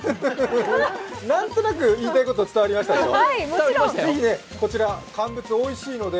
何となく言いたいことが伝わりましたけど。